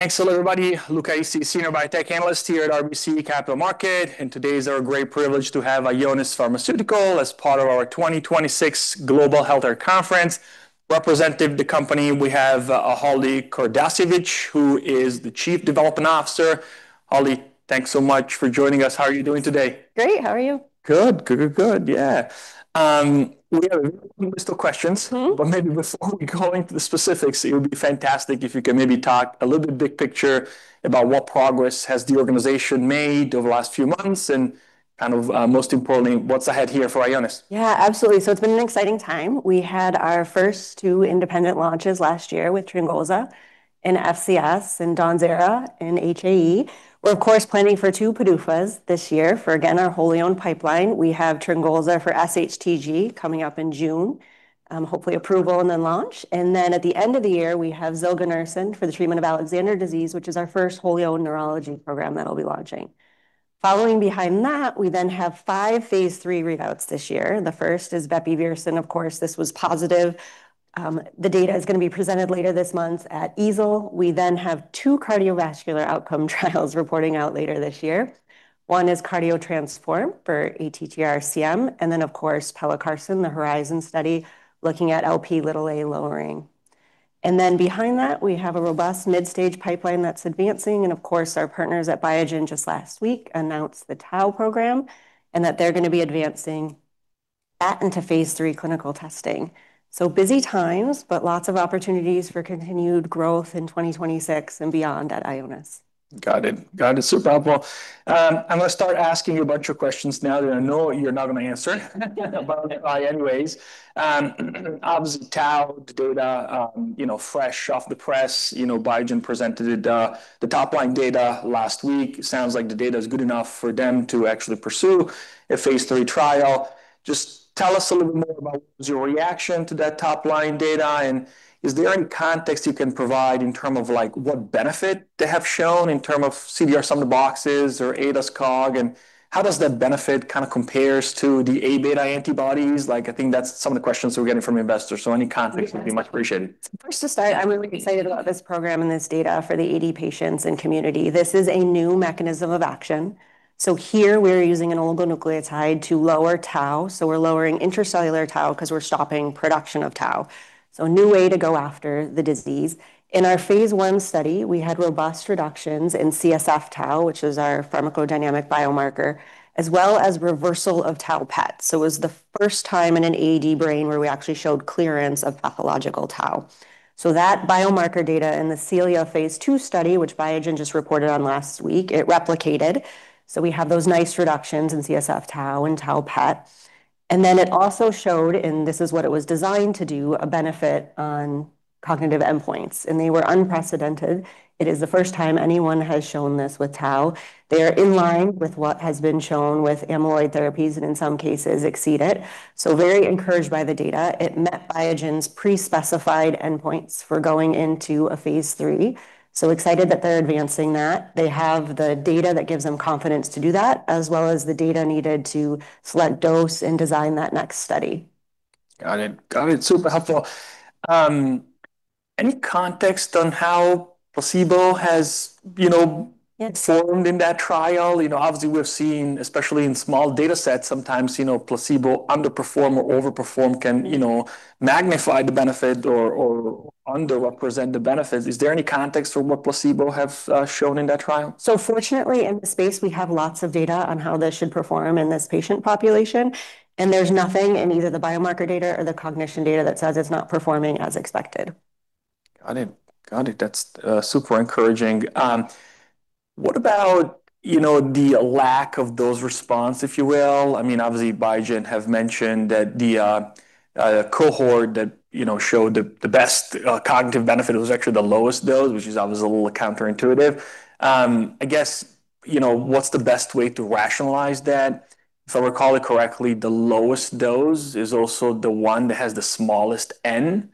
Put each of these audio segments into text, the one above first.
Thanks a lot, everybody. Luca Issi, Senior Biotechnology Analyst here at RBC Capital Markets. Today it's our great privilege to have Ionis Pharmaceuticals as part of our 2026 Global Healthcare Conference 2026. Representing the company, we have Holly Kordasiewicz, who is the Chief Development Officer. Holly, thanks so much for joining us. How are you doing today? Great. How are you? Good. Good. Yeah. We have a list of questions. Maybe before we go into the specifics, it would be fantastic if you could maybe talk a little bit big picture about what progress has the organization made over the last few months and kind of, most importantly, what's ahead here for Ionis. Yeah, absolutely. It's been an exciting time. We had our first two independent launches last year with TRYNGOLZA in FCS in DAWNZERA and HAE. We're of course planning for two PDUFAs this year for, again, our wholly-owned pipeline. We have TRYNGOLZA for SHTG coming up in June, hopefully approval and then launch, and then at the end of the year we have zilganersen for the treatment of Alexander disease, which is our first wholly-owned neurology program that'll be launching. Following behind that, we then have five phase III readouts this year. The first is bepirovirsen, of course, this was positive. The data is gonna be presented later this month at EASL. We then have two cardiovascular outcome trials reporting out later this year. One is CARDIO-TTRansform for ATTR-CM, and then of course pelacarsen, the HORIZON study, looking at Lp(a) lowering. Behind that we have a robust midstage pipeline that's advancing and of course our partners at Biogen just last week announced the tau program and that they're gonna be advancing that into phase III clinical testing. Busy times, but lots of opportunities for continued growth in 2026 and beyond at Ionis. Got it. Got it. Super helpful. I'm gonna start asking you a bunch of questions now that I know you're not gonna answer. Anyways, obviously tau data, you know, fresh off the press, you know, Biogen presented it, the top line data last week. Sounds like the data is good enough for them to actually pursue a phase III trial. Just tell us a little bit more about what was your reaction to that top line data, and is there any context you can provide in term of like what benefit they have shown in term of CDR Sum of Boxes or ADAS-Cog, and how does that benefit kind of compares to the Aβ antibodies? Like I think that's some of the questions we're getting from investors. Any context would be much appreciated. First to start, I'm really excited about this program and this data for the AD patients and community. This is a new mechanism of action, so here we're using an oligonucleotide to lower tau, so we're lowering intracellular tau 'cause we're stopping production of tau. A new way to go after the disease. In our phase I study, we had robust reductions in CSF tau, which is our pharmacodynamic biomarker, as well as reversal of tau PET. It was the first time in an AD brain where we actually showed clearance of pathological tau. That biomarker data in the CELIA phase II study, which Biogen just reported on last week, it replicated. It also showed, and this is what it was designed to do, a benefit on cognitive endpoints, and they were unprecedented. It is the first time anyone has shown this with tau. They are in line with what has been shown with amyloid therapies and in some cases exceed it. Very encouraged by the data. It met Biogen's pre-specified endpoints for going into a phase III. Excited that they're advancing that. They have the data that gives them confidence to do that, as well as the data needed to select dose and design that next study. Got it. Super helpful. Any context on how placebo has, you know- Yes. ... performed in that trial? You know, obviously we've seen, especially in small data sets sometimes, you know, placebo underperform or overperform, can, you know, magnify the benefit or underrepresent the benefits. Is there any context for what placebo have shown in that trial? Fortunately in the space we have lots of data on how this should perform in this patient population, and there's nothing in either the biomarker data or the cognition data that says it's not performing as expected. Got it. Got it. That's super encouraging. What about, you know, the lack of dose response, if you will? I mean, obviously Biogen have mentioned that the cohort that, you know, showed the best cognitive benefit was actually the lowest dose, which is obviously a little counterintuitive. I guess, you know, what's the best way to rationalize that? If I recall it correctly, the lowest dose is also the one that has the smallest N.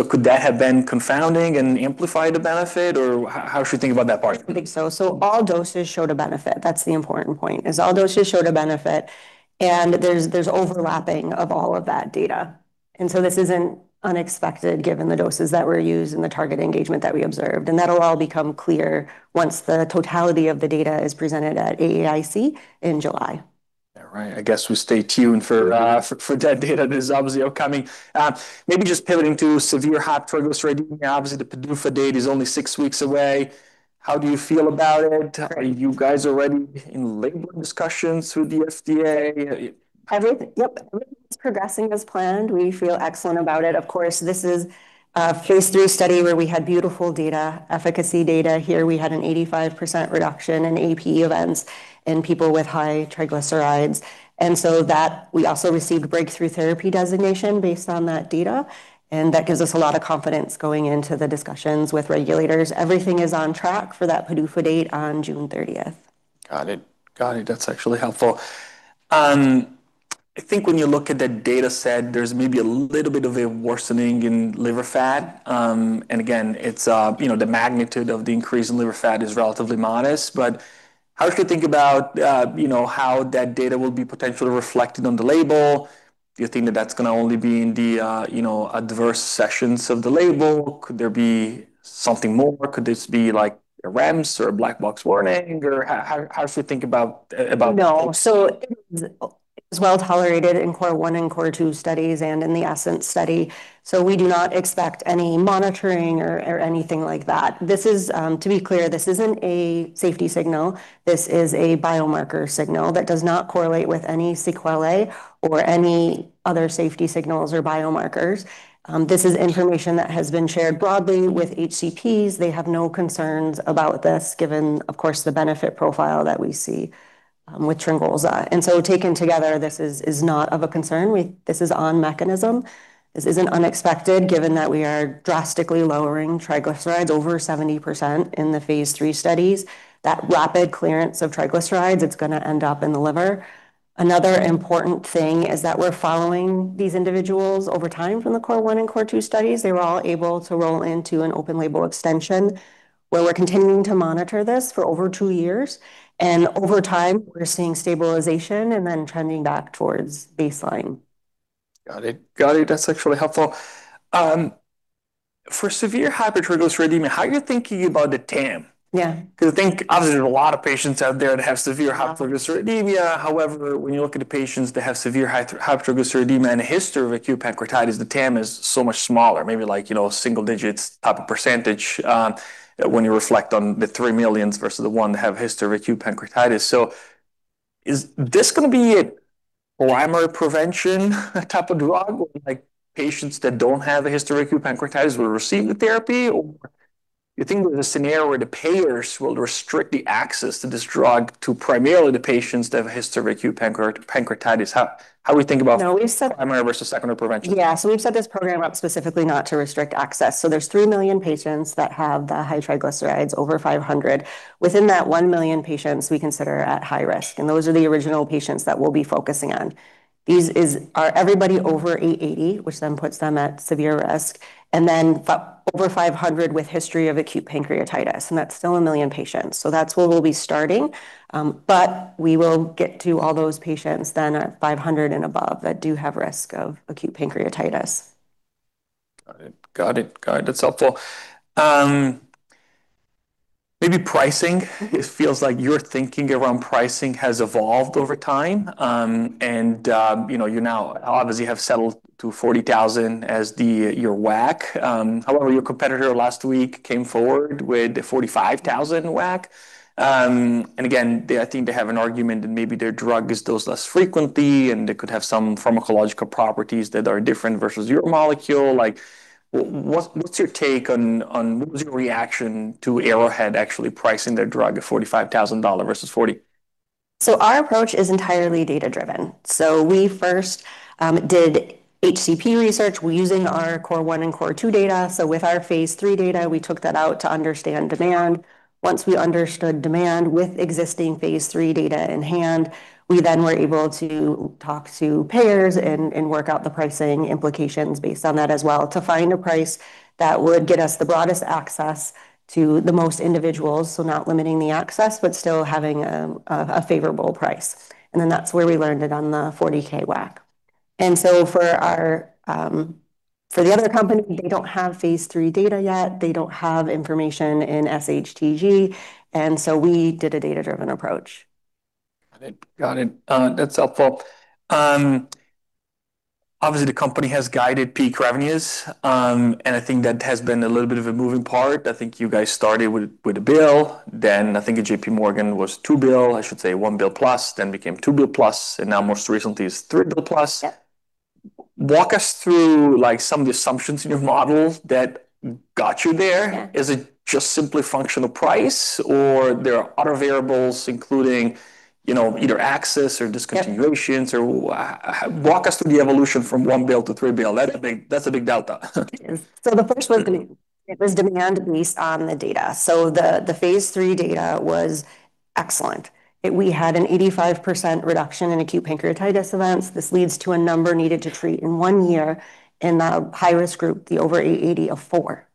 Could that have been confounding and amplified the benefit, or how should we think about that part? I think so. All doses showed a benefit. That's the important point, is all doses showed a benefit, and there's overlapping of all of that data. This isn't unexpected given the doses that were used and the target engagement that we observed, and that'll all become clear once the totality of the data is presented at AAIC in July. Yeah, right. I guess we stay tuned for that data that is obviously upcoming. Maybe just pivoting to severe hypertriglyceridemia. Obviously, the PDUFA date is only six weeks away. How do you feel about it? Are you guys already in labeling discussions with the FDA? Everything. Yep, everything is progressing as planned. We feel excellent about it. Of course, this is a phase III study where we had beautiful data, efficacy data. Here we had an 85% reduction in AP events in people with high triglycerides. That we also received breakthrough therapy designation based on that data, and that gives us a lot of confidence going into the discussions with regulators. Everything is on track for that PDUFA date on June 30th. Got it. Got it. That's actually helpful. I think when you look at the data set, there's maybe a little bit of a worsening in liver fat. And again, it's, you know, the magnitude of the increase in liver fat is relatively modest. How should we think about, you know, how that data will be potentially reflected on the label? Do you think that that's gonna only be in the, you know, adverse sessions of the label? Could there be something more? Could this be like a REMS or a black box warning? Or how should we think about? No. It is well-tolerated in CORE I and CORE II studies and in the ASCENT study. We do not expect any monitoring or anything like that. This is, to be clear, this isn't a safety signal, this is a biomarker signal that does not correlate with any sequelae or any other safety signals or biomarkers. This is information that has been shared broadly with HCPs. They have no concerns about this given, of course, the benefit profile that we see with TRYNGOLZA. Taken together, this is not of a concern. This is on mechanism. This isn't unexpected given that we are drastically lowering triglycerides over 70% in the phase III studies. That rapid clearance of triglycerides, it's gonna end up in the liver. Another important thing is that we're following these individuals over time from the CORE I and CORE II studies. They were all able to roll into an open label extension where we're continuing to monitor this for over two years. Over time we're seeing stabilization and then trending back towards baseline. Got it. That's actually helpful. For severe hypertriglyceridemia, how are you thinking about the TAM? Yeah. I think obviously there's a lot of patients out there that have severe hypertriglyceridemia. However, when you look at the patients that have severe hypertriglyceridemia and a history of acute pancreatitis, the TAM is so much smaller, maybe like, you know, single-digit types of percentage, when you reflect on the $3 million versus the one that have history of acute pancreatitis. Is this gonna be a primary prevention type of drug where like patients that don't have a history of acute pancreatitis will receive the therapy? You think there's a scenario where the payers will restrict the access to this drug to primarily the patients that have a history of acute pancreatitis? How do we think about this? No, we've set- Primary versus secondary prevention? Yeah. We've set this program up specifically not to restrict access. There's 3 million patients that have the high triglycerides over 500 mg/dL. Within that 1 million patients we consider at high risk, and those are the original patients that we'll be focusing on. These are everybody over 880 mg/dL, which then puts them at severe risk, and then over 500 mg/dL with history of acute pancreatitis, and that's still 1 million patients. That's where we'll be starting. We will get to all those patients then at 500 mg/dL and above that do have risk of acute pancreatitis. Got it. Got it. Got it. That's helpful. Maybe pricing. It feels like your thinking around pricing has evolved over time. You know, you now obviously have settled to $40,000 as the, your WAC. Your competitor last week came forward with a $45,000 WAC. Again, they have an argument that maybe their drug is dosed less frequently, and they could have some pharmacological properties that are different versus your molecule. Like, what's your take on what was your reaction to Arrowhead actually pricing their drug at $45,000 versus $40,000? Our approach is entirely data-driven. We first did HCP research. We're using our CORE I and CORE II data. With our phase III data, we took that out to understand demand. Once we understood demand with existing phase III data in hand, we then were able to talk to payers and work out the pricing implications based on that as well to find a price that would get us the broadest access to the most individuals. Not limiting the access, but still having a favorable price. That's where we landed on the $40,000 WAC. For our, for the other company, they don't have phase III data yet. They don't have information in SHTG, and so we did a data-driven approach. Got it. That's helpful. Obviously the company has guided peak revenues. I think that has been a little bit of a moving part. I think you guys started with $1 billion, then I think at JPMorgan was $2 billion, I should say $1+ billion, then became $2+ billion, and now most recently is $3+ billion. Yep. Walk us through like some of the assumptions in your models that got you there. Yeah. Is it just simply function of price or there are other variables including, you know, either access or discontinuations? Yeah. Walk us through the evolution from $1 billion to $3 billion. That's a big delta. It is. The first one, it was demand based on the data. The phase III data was excellent. We had an 85% reduction in acute pancreatitis events. This leads to a number needed to treat in one year in the high-risk group, the over 880 mg/dL of four.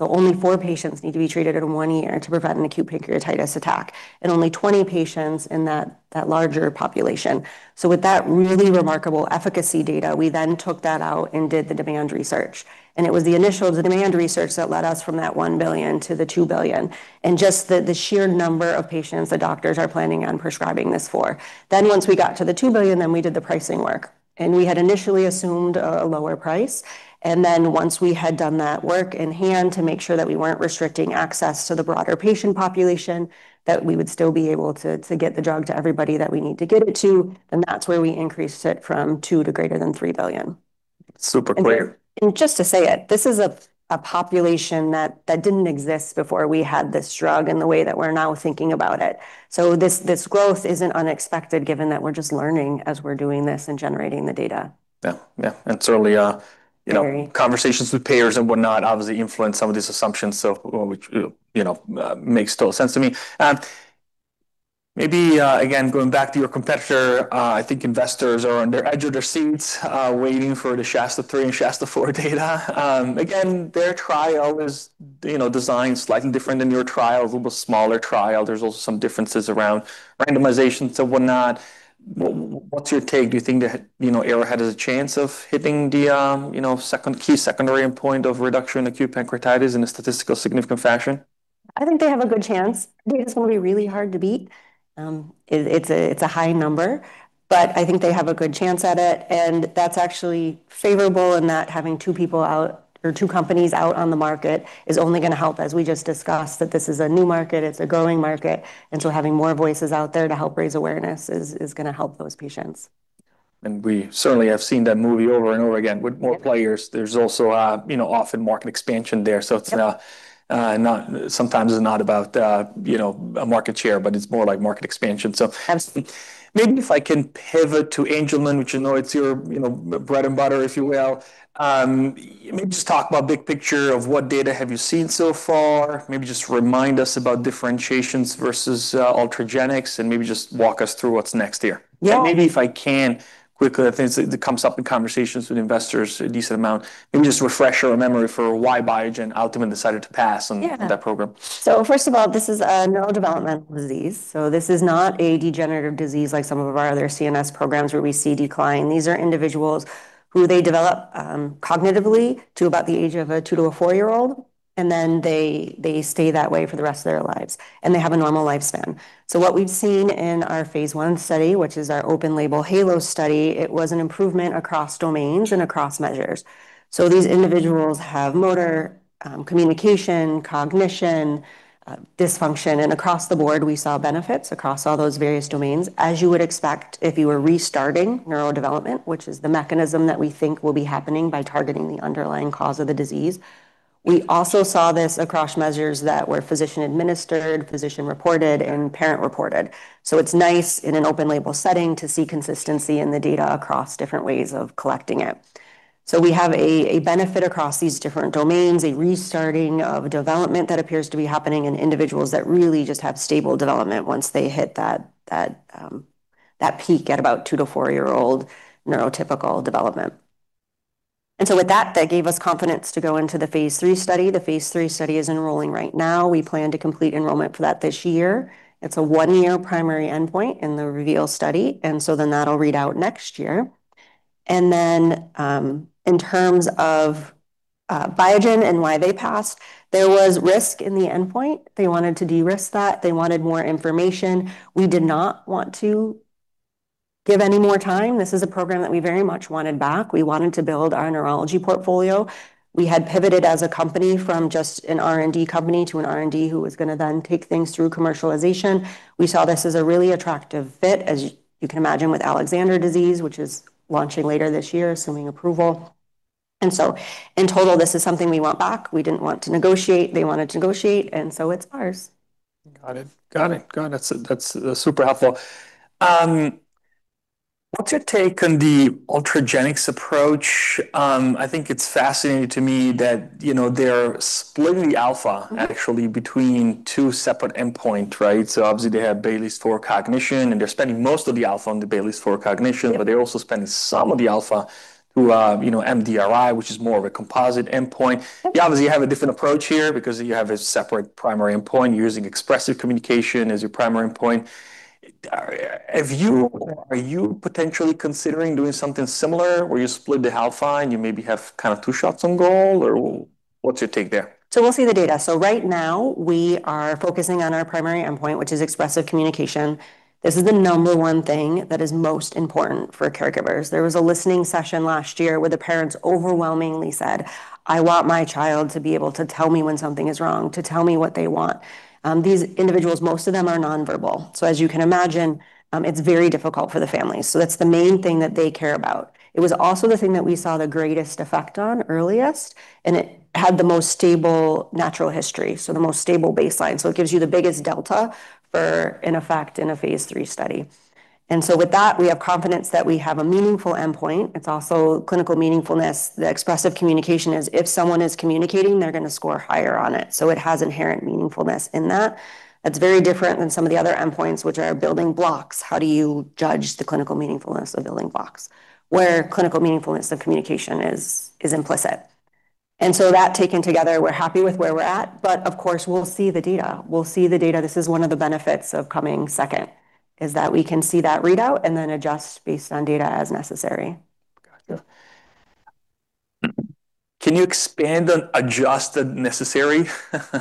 Only four patients need to be treated in one year to prevent an acute pancreatitis attack, and only 20 patients in that larger population. With that really remarkable efficacy data, we then took that out and did the demand research, and it was the initial demand research that led us from that $1 billion to the $2 billion, and just the sheer number of patients that doctors are planning on prescribing this for. Once we got to the $2 billion, then we did the pricing work, and we had initially assumed a lower price. Once we had done that work in hand to make sure that we weren't restricting access to the broader patient population, that we would still be able to get the drug to everybody that we need to get it to, then that's where we increased it from $2 billion to greater than $3 billion. Super clear. Just to say it, this is a population that didn't exist before we had this drug in the way that we're now thinking about it. This growth isn't unexpected given that we're just learning as we're doing this and generating the data. Yeah. Yeah. Certainly, you know. Very. Conversations with payers and whatnot obviously influence some of these assumptions, so, which, you know, makes total sense to me. Maybe, again, going back to your competitor, I think investors are on the edge of their seats, waiting for the SHASTA-3 and SHASTA-4 data. Their trial is, you know, designed slightly different than your trial, a little smaller trial. There's also some differences around randomizations and whatnot. What's your take? Do you think that, you know, Arrowhead has a chance of hitting the, you know, second key secondary endpoint of reduction in acute pancreatitis in a statistical significant fashion? I think they have a good chance. Data's gonna be really hard to beat. It's a high number, but I think they have a good chance at it, and that's actually favorable in that having two people out or two companies out on the market is only gonna help, as we just discussed, that this is a new market, it's a growing market. Having more voices out there to help raise awareness is gonna help those patients. We certainly have seen that movie over and over again. Yeah. Wit more players, there's also, you know, often market expansion there. Yep. Sometimes it's not about, you know, a market share, but it's more like market expansion. Absolutely. If I can pivot to Angelman, which you know is your, you know, bread and butter, if you will. Just talk about big picture of what data have you seen so far. Just remind us about differentiations versus Ultragenyx, and just walk us through what's next here. Yeah. Maybe if I can, quickly, I think it comes up in conversations with investors a decent amount, maybe just refresh our memory for why Biogen ultimately decided to pass on- Yeah.... that program. First of all, this is a neurodevelopmental disease, this is not a degenerative disease like some of our other CNS programs where we see decline. These are individuals who they develop cognitively to about the age of a two to a four-year-old, and then they stay that way for the rest of their lives, and they have a normal lifespan. What we've seen in our phase I study, which is our open-label HALO study, it was an improvement across domains and across measures. These individuals have motor, communication, cognition, dysfunction, and across the board we saw benefits across all those various domains. As you would expect if you were restarting neurodevelopment, which is the mechanism that we think will be happening by targeting the underlying cause of the disease. We also saw this across measures that were physician administered, physician reported, and parent reported. It's nice in an open label setting to see consistency in the data across different ways of collecting it. We have a benefit across these different domains, a restarting of development that appears to be happening in individuals that really just have stable development once they hit that peak at about two to four-year-old neurotypical development. With that gave us confidence to go into the phase III study. The phase III study is enrolling right now. We plan to complete enrollment for that this year. It's a one-year primary endpoint in the REVEAL study, that'll read out next year. In terms of Biogen and why they passed, there was risk in the endpoint. They wanted to de-risk that. They wanted more information. We did not want to give any more time. This is a program that we very much wanted back. We wanted to build our neurology portfolio. We had pivoted as a company from just an R&D company to an R&D who was gonna then take things through commercialization. We saw this as a really attractive fit, as you can imagine, with Alexander disease, which is launching later this year, assuming approval. In total, this is something we want back. We didn't want to negotiate. They wanted to negotiate. It's ours. Got it. That's super helpful. What's your take on the Ultragenyx approach? I think it's fascinating to me that, you know, they're splitting the alpha, actually between two separate endpoints, right? Obviously they have Bayley's for cognition, and they're spending most of the alpha on the Bayley's for cognition. Yeah. They're also spending some of the alpha through, you know, mNIS+7, which is more of a composite endpoint. You obviously have a different approach here because you have a separate primary endpoint. You're using expressive communication as your primary endpoint. Are you potentially considering doing something similar where you split the alpha and you maybe have kind of two shots on goal, or what's your take there? We'll see the data. Right now we are focusing on our primary endpoint, which is expressive communication. This is the number one thing that is most important for caregivers. There was a listening session last year where the parents overwhelmingly said, "I want my child to be able to tell me when something is wrong, to tell me what they want." These individuals, most of them are non-verbal, so as you can imagine, it's very difficult for the families. That's the main thing that they care about. It was also the thing that we saw the greatest effect on earliest, and it had the most stable natural history, so the most stable baseline. It gives you the biggest delta for an effect in a phase III study. With that, we have confidence that we have a meaningful endpoint. It's also clinical meaningfulness. The expressive communication is if someone is communicating, they're gonna score higher on it. It has inherent meaningfulness in that. That's very different than some of the other endpoints, which are building blocks. How do you judge the clinical meaningfulness of building blocks? Where clinical meaningfulness of communication is implicit. That taken together, we're happy with where we're at, but of course we'll see the data. We'll see the data. This is one of the benefits of coming second, is that we can see that readout and then adjust based on data as necessary. Gotcha. Can you expand on adjust as necessary?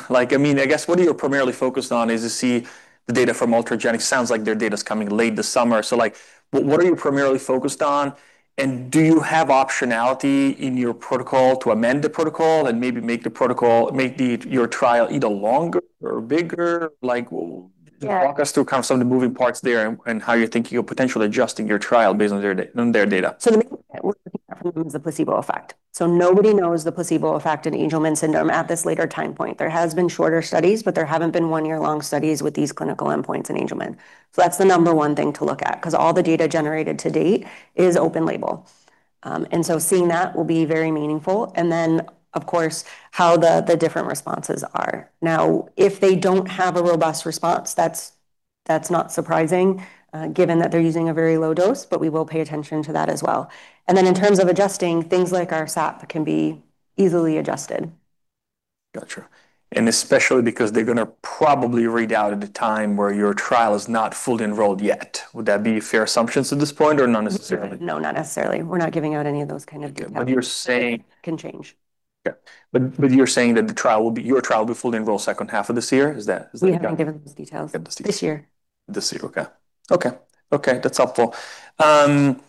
Like, I mean, I guess what are you primarily focused on is to see the data from Ultragenyx. Sounds like their data's coming late this summer. Like, what are you primarily focused on, and do you have optionality in your protocol to amend the protocol and maybe make your trial either longer or bigger? Yeah. Walk us through kind of some of the moving parts there and how you're thinking of potentially adjusting your trial based on their data. The main thing that we're looking at from them is the placebo effect. Nobody knows the placebo effect in Angelman syndrome at this later time point. There has been shorter studies, but there haven't been one-year-long studies with these clinical endpoints in Angelman. That's the number one thing to look at, 'cause all the data generated to date is open label. Seeing that will be very meaningful, and then of course how the different responses are. Now, if they don't have a robust response, that's not surprising, given that they're using a very low dose, but we will pay attention to that as well. In terms of adjusting, things like our SAP can be easily adjusted. Gotcha. Especially because they're gonna probably read out at the time where your trial is not fully enrolled yet. Would that be fair assumptions at this point or not necessarily? No, not necessarily. We're not giving out any of those kind of details. But you're saying- Can change. Yeah. You're saying that your trial will be fully enrolled second half of this year. Is that? We haven't given those details. Got this. This year. This year. Okay. Okay. Okay, that's helpful. Maybe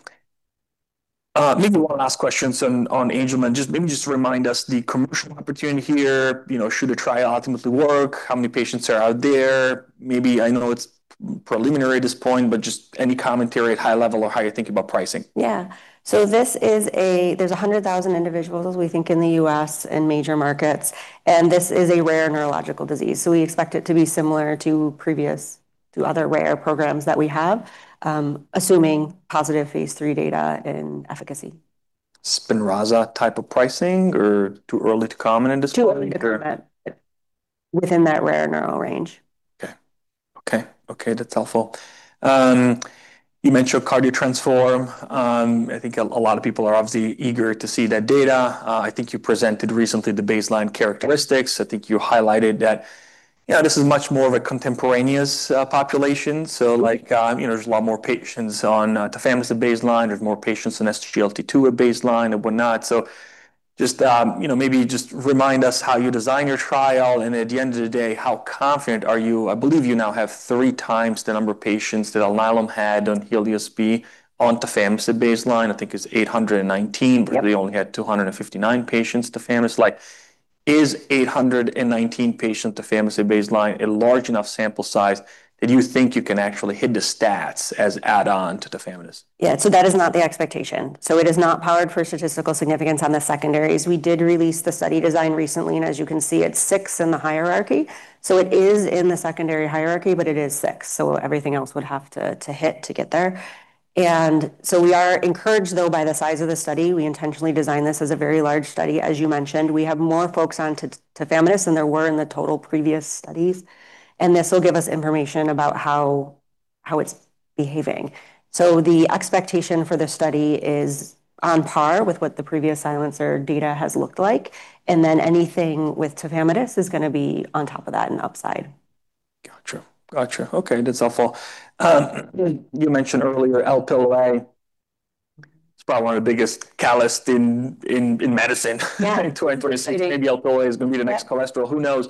one last question on Angelman. Just remind us the commercial opportunity here, you know, should a trial ultimately work, how many patients are out there? Maybe I know it's preliminary at this point, but just any commentary at high level or how you're thinking about pricing. Yeah. There's 100,000 individuals we think in the U.S. and major markets, and this is a rare neurological disease, so we expect it to be similar to other rare programs that we have, assuming positive phase III data and efficacy. SPINRAZA-type of pricing or too early to comment in this? Too early to comment. Within that rare neural range. Okay, that's helpful. You mentioned CARDIO-TTRansform. I think a lot of people are obviously eager to see that data. I think you presented recently the baseline characteristics. I think you highlighted that, you know, this is much more of a contemporaneous population. You know, there's a lot more patients on tafamidis at baseline. There's more patients on SGLT2 at baseline and whatnot. You know, maybe just remind us how you design your trial, and at the end of the day, how confident are you? I believe you now have 3x the number of patients that Alnylam had on HELIOS-B on tafamidis at baseline. I think it's 819. Yep. Where they only had 259 patients tafamidis. Like, is 819 patient tafamidis baseline a large enough sample size that you think you can actually hit the stats as add-on to tafamidis? Yeah. That is not the expectation. It is not powered for statistical significance on the secondaries. We did release the study design recently, and as you can see, it's sixth in the hierarchy, so it is in the secondary hierarchy, but it is sixth, so everything else would have to hit to get there. We are encouraged though by the size of the study. We intentionally designed this as a very large study, as you mentioned. We have more folks on tafamidis than there were in the total previous studies, and this will give us information about how it's behaving. The expectation for the study is on par with what the previous silencer data has looked like, and then anything with tafamidis is gonna be on top of that and upside. Gotcha. Gotcha. Okay. That's helpful. You mentioned earlier Lp(a). It's probably one of the biggest catalysts in medicine in 2026. Yeah. Maybe Lp(a) is gonna be the next cholesterol, who knows?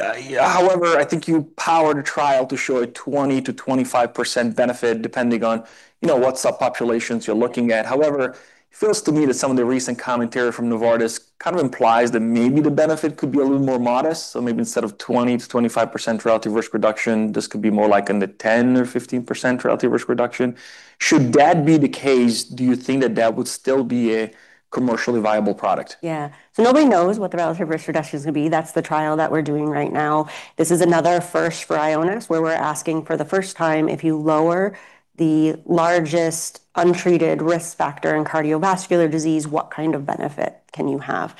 I think you powered a trial to show a 20%-25% benefit depending on, you know, what subpopulations you're looking at. It feels to me that some of the recent commentary from Novartis kind of implies that maybe the benefit could be a little more modest. Maybe instead of 20%-25% relative risk reduction, this could be more like in the 10% or 15% relative risk reduction. Should that be the case, do you think that that would still be a commercially viable product? Yeah. Nobody knows what the relative risk reduction is gonna be. That's the trial that we're doing right now. This is another first for Ionis, where we're asking for the first time, if you lower the largest untreated risk factor in cardiovascular disease, what kind of benefit can you have?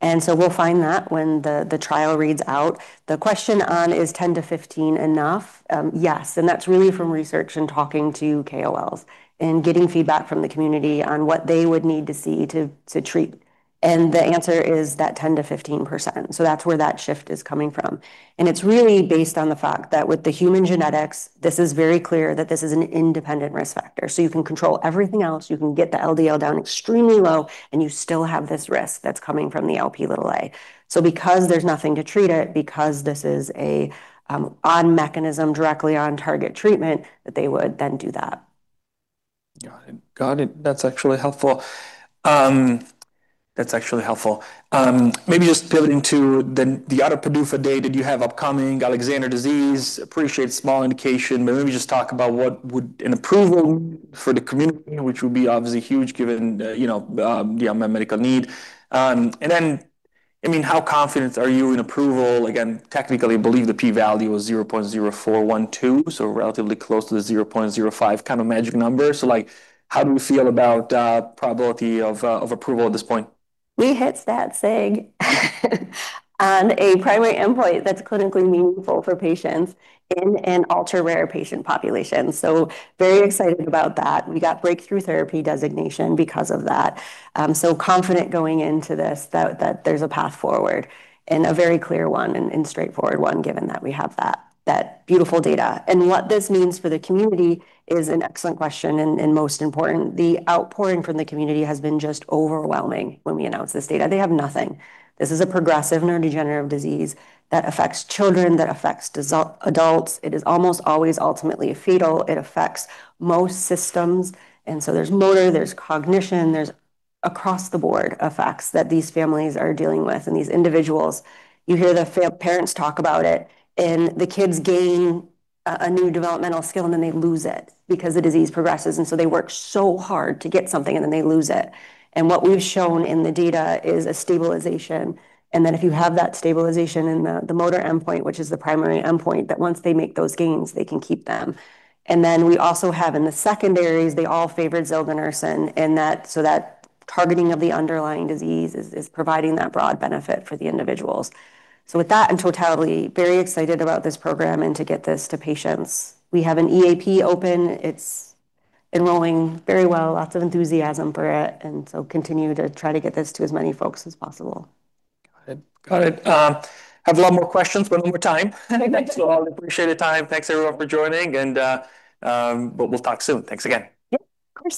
We'll find that when the trial reads out. The question on is 10%-15 enough? Yes, that's really from research and talking to KOLs and getting feedback from the community on what they would need to see to treat. The answer is that 10%-15%. That's where that shift is coming from. It's really based on the fact that with the human genetics, this is very clear that this is an independent risk factor. You can control everything else, you can get the LDL down extremely low, and you still have this risk that's coming from the Lp(a). Because there's nothing to treat it, because this is a on mechanism directly on target treatment, that they would then do that. Got it. Got it. That's actually helpful. That's actually helpful. Maybe just pivoting to the other PDUFA day that you have upcoming, Alexander disease. Appreciate small indication, but maybe just talk about what would an approval for the community, which would be obviously huge given the, you know, medical need. Then, I mean, how confident are you in approval? Again, technically, I believe the p-value was 0.0412, so relatively close to the 0.05 kind of magic number. Like, how do we feel about probability of approval at this point? We hit that sig on a primary endpoint that's clinically meaningful for patients in an ultra-rare patient population, so very excited about that. We got breakthrough therapy designation because of that. Confident going into this that there's a path forward and a very clear one and straightforward one, given that we have that beautiful data. What this means for the community is an excellent question and most important. The outpouring from the community has been just overwhelming when we announced this data. They have nothing. This is a progressive neurodegenerative disease that affects children, that affects adults. It is almost always ultimately fatal. It affects most systems, there's motor, there's cognition, there's across-the-board effects that these families are dealing with and these individuals. You hear parents talk about it, the kids gain a new developmental skill, then they lose it because the disease progresses, they work so hard to get something, then they lose it. What we've shown in the data is a stabilization, then if you have that stabilization in the motor endpoint, which is the primary endpoint, that once they make those gains, they can keep them. Then we also have in the secondaries, they all favored zilganersen in that targeting of the underlying disease is providing that broad benefit for the individuals. With that, I'm totally very excited about this program and to get this to patients. We have an EAP open. It's enrolling very well. Lots of enthusiasm for it, continue to try to get this to as many folks as possible. Got it. Got it. Have a lot more questions, but no more time. Thanks. I appreciate the time. Thanks everyone for joining. We'll talk soon. Thanks again. Yep. Of course.